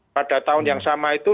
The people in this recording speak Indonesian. pada tahun yang sama itu